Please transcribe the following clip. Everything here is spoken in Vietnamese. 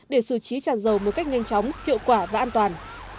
để xử trí tràn dầu một cách nhanh chóng hiệu quả và an toàn